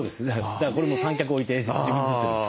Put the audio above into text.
だからこれも三脚置いて自分で撮ってます。